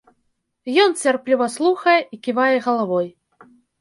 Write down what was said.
Ён цярпліва слухае і ківае галавой.